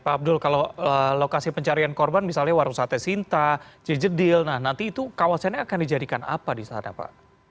pak abdul kalau lokasi pencarian korban misalnya warung sate sinta jedil nah nanti itu kawasannya akan dijadikan apa di sana pak